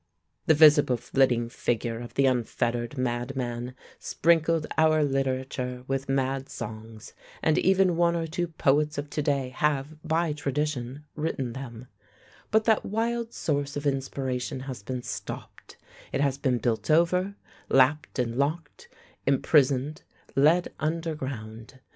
The visible flitting figure of the unfettered madman sprinkled our literature with mad songs, and even one or two poets of to day have, by tradition, written them; but that wild source of inspiration has been stopped; it has been built over, lapped and locked, imprisoned, led underground.